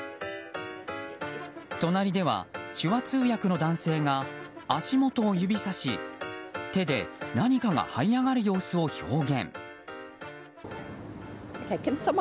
隣では手話通訳の男性が足元を指さし手で何かが這い上がる様子を表現。